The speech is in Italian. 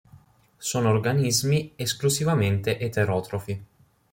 Sono organismi esclusivamente eterotrofi.